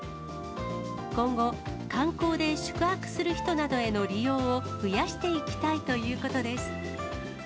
今後、観光で宿泊する人などへの利用を増やしていきたいということです。